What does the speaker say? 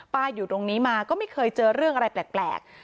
อยู่ตรงนี้มาก็ไม่เคยเจอเรื่องอะไรแปลก